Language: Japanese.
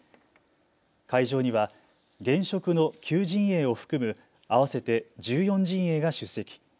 会場には現職の９陣営を含む合わせて１４陣営が出席。